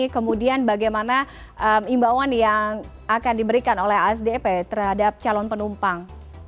kemudian bagaimana imbauan yang akan diberikan oleh asdp terhadap calon penumpang